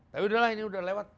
tapi udah lah ini udah lewat